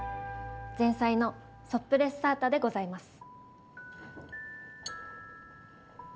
前菜のソップレッサータでございます。